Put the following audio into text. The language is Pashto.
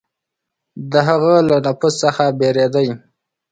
د هغه له نفوذ څخه بېرېدی.